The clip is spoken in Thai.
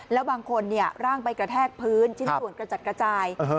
แล้วบางคนร่างไปกระแทกพื้นชิ้นส่วนกระจัดกระจาย